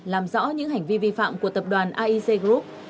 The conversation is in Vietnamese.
làm rõ những hành vi vi phạm của tập đoàn aic group